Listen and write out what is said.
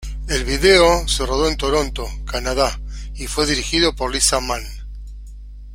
El video se rodó en Toronto, Canadá y fue dirigido por "Lisa Mann".